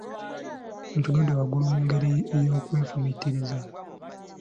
Ntunudde waggulu mu ngeri ey’okwefumiitiriza.